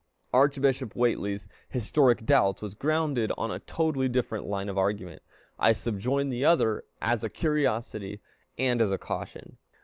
Archbishop Whately's "Historic Doubts" was grounded on a totally different line of argument; I subjoin the other, as a curiosity and as a caution.